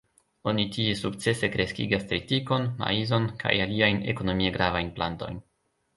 Oni tie sukcese kreskigas tritikon, maizon kaj aliajn ekonomie gravajn plantojn.